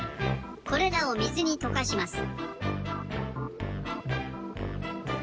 これらをみずにとかします。